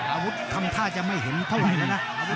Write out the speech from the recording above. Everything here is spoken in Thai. อาวุธทำท่าจะไม่เห็นเท่าไหร่แล้วนะ